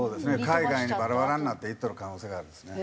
海外にバラバラになって行っとる可能性があるんですね。